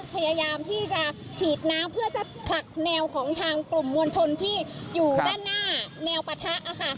พยายามที่จะฉีดน้ำเพื่อจะผลักแนวของทางกลุ่มมวลชนที่อยู่ด้านหน้าแนวปะทะค่ะ